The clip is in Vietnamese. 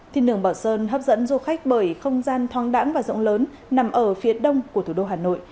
thiên đường bảo sơn hấp dẫn du khách bởi không gian thoáng đẳng và rộng lớn nằm ở phía đông của thủ đô hà nội